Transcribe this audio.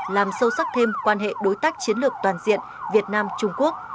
làm sâu sắc thêm quan hệ đối tác chiến lược toàn diện việt nam trung quốc